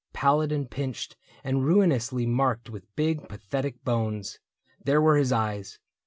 Pallid and pinched and ruinously marked With big pathetic bones; there were his eyes.